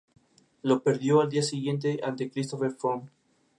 Lo perdió al día siguiente ante Christopher Froome.